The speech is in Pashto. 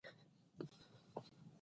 تاسي ته اجازه نشته چې په میدان کې کښېنئ.